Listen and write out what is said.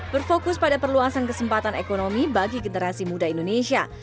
berfokus pada perluasan kesempatan ekonomi bagi generasi muda indonesia